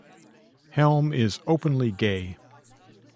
Helm is openly gay.